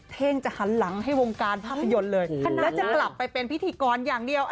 เท่งจะหันหลังให้วงการภาพยนตร์เลยแล้วจะกลับไปเป็นพิธีกรอย่างเดียว